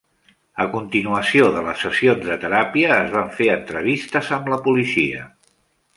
A continuació de les sessions de teràpia es van fer entrevistes amb la policia.